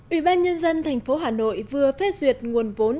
ủy ban nhân dân tp hà nội vừa phép duyệt nguồn vốn